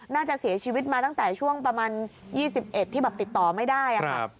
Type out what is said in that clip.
น่าจะเสียชีวิตมาตั้งแต่ช่วงประมาณ๒๑ที่แบบติดต่อไม่ได้ค่ะ